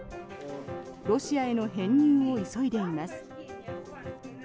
ロシアへの編入を急いでいます。